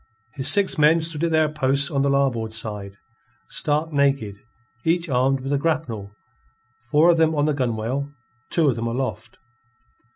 His six men stood at their posts on the larboard side, stark naked, each armed with a grapnel, four of them on the gunwale, two of them aloft.